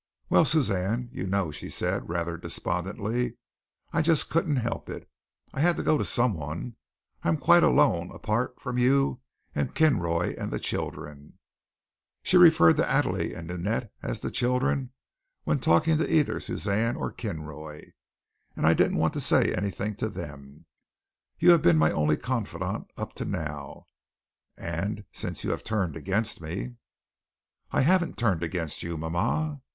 "Well, Suzanne, you know," she said, rather despondently, "I just couldn't help it. I had to go to someone. I am quite alone apart from you and Kinroy and the children" she referred to Adele and Ninette as the children when talking to either Suzanne or Kinroy "and I didn't want to say anything to them. You have been my only confidant up to now, and since you have turned against me " "I haven't turned against you, mama."